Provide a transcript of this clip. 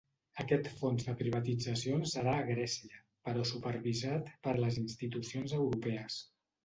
Aquest fons de privatitzacions serà a Grècia, però supervisat per les institucions europees.